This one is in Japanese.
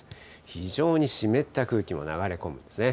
非常に湿った空気も流れ込むんですね。